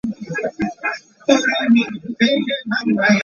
The particles of mercury have the greatest momentum and force.